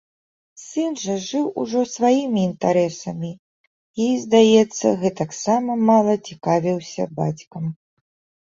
Сын жа жыў ужо сваімі інтарэсамі і, здаецца, гэтаксама мала цікавіўся бацькам.